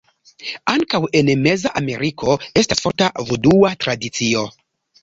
Ankaŭ en meza Ameriko estas forta vudua tradicio.